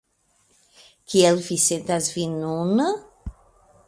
Kiel vi sentas vin nun?